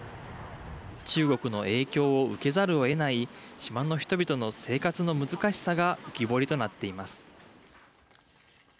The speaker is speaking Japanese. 中国の影響を受けざるをえない島の人々の生活の難しさが浮き彫りとなっています。